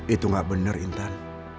itu gak bener intan